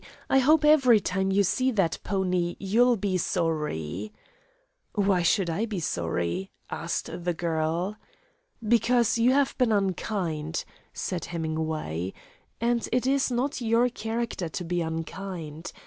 I hope every time you see that pony you'll be sorry." "Why should I be sorry?" asked the girl. "Because you have been unkind," said Hemingway, "and it is not your character to be unkind.